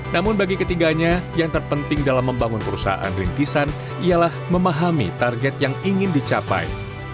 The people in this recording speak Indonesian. namun bagi ketiganya yang terpenting dalam membangun perusahaan rintisan ialah memahami target yang ingin dicapai